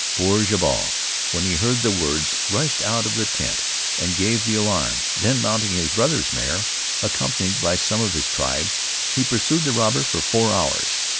Poor Jabal, when he heard the words, rushed out of the tent and gave the alarm, then mounting his brother's mare, accompanied by some of his tribe, he pursued the robber for four hours.